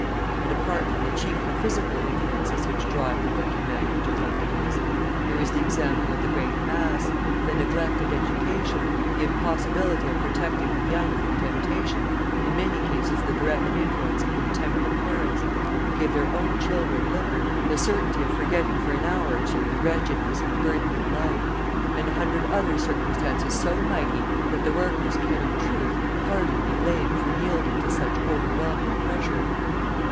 And apart from the chiefly physical influences which drive the working man into drunkenness, there is the example of the great mass, the neglected education, the impossibility of protecting the young from temptation, in many cases the direct influence of intemperate parents, who give their own children liquor, the certainty of forgetting for an hour or two the wretchedness and burden of life, and a hundred other circumstances so mighty that the workers can, in truth, hardly be blamed for yielding to such overwhelming pressure.